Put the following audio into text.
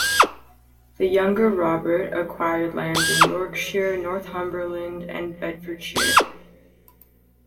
The younger Robert acquired lands in Yorkshire, Northumberland, and Bedfordshire.